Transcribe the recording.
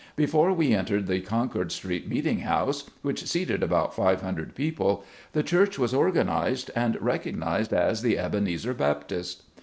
Before we entered the Con cord Street meeting house — which seated about five hundred people — the church was organized and recognized as the Ebenezer Baptist.